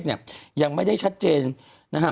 คุณหนุ่มกัญชัยได้เล่าใหญ่ใจความไปสักส่วนใหญ่แล้ว